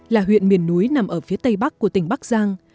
là huyện miền núi nằm ở phía tây bắc của tỉnh bắc giang